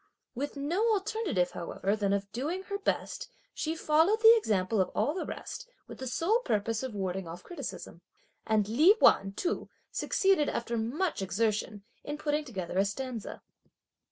With no alternative however than that of doing her best, she followed the example of all the rest with the sole purpose of warding off criticism. And Li Wan too succeeded, after much exertion, in putting together a stanza.